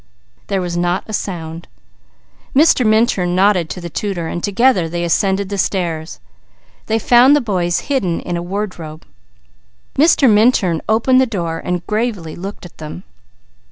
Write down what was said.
There was not a sound. Mr. Minturn nodded to the tutor. Together they ascended the stairs. They found the boys hidden in a wardrobe. Mr. Minturn opened the door, gravely looking at them.